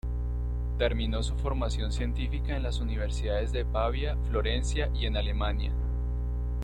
Terminó su formación científica en las Universidades de Pavia, Florencia, y en Alemania.